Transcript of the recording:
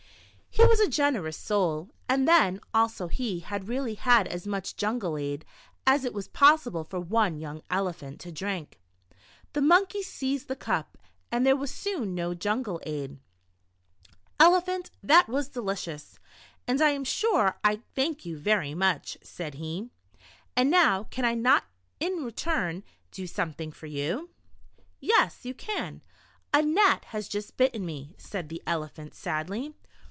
" He was a generous soul, and then also he had really had as much jungle ade as it was possible for one young elephant to drink. The Monkey seized the cup, and there was soon no jungle ade. " Elephant, that was delicious, and I am sure I thank you very much," said he, "and now, can I not in return do something for you ?" Monkey Tricks in the Jungle. 141 Yes, you can. A gnat has just bitten me,'' said the Elephant, sadly.